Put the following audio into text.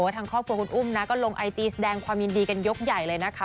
ทางครอบครัวคุณอุ้มนะก็ลงไอจีแสดงความยินดีกันยกใหญ่เลยนะคะ